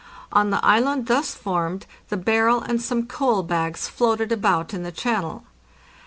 On the island thus formed the barrel and some coal bags floated about in the channel.